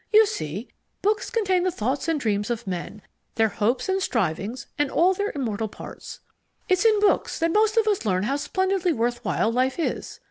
You see, books contain the thoughts and dreams of men, their hopes and strivings and all their immortal parts. It's in books that most of us learn how splendidly worth while life is.